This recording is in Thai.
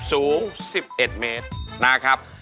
สูง๑๑เมตรนะครับ